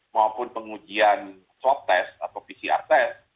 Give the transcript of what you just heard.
maupun pengujian swab test atau pcr test